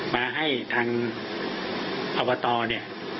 มาให้ทางอบตเสนอ